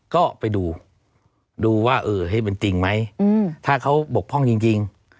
ก็ไปดูดูว่าเออให้เป็นจริงไหมอืมถ้าเขาปกพร่องจริงจริง